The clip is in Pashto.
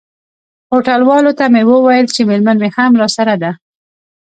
هوټل والاو ته مې وویل چي میرمن مي هم راسره ده.